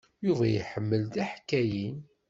Yuba iḥemmel tiḥkayin.